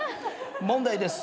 問題です。